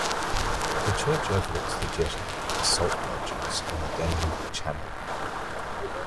The church overlooks the jetty of the salt merchants on the Danube channel.